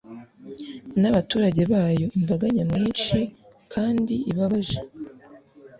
n'abaturage bayo imbaga nyamwinshi kandi ibabaje